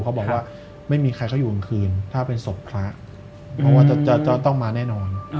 เขาบอกว่าไม่มีใครเขาอยู่กลางคืนถ้าเป็นศพพระเพราะว่าจะต้องมาแน่นอน